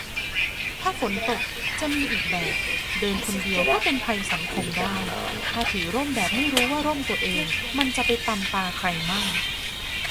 ถ้าฝนตก จะมีอีกแบบ เดินคนเดียวก็เป็นภัยสังคมได้ ถ้าถือร่มแบบไม่รู้ว่าร่มตัวเองมันจะไปตำตาใครมั่ง